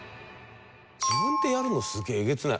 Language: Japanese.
自分でやるのすげええげつない。